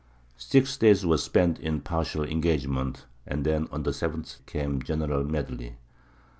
Six days were spent in partial engagements, and then on the seventh came a general medley.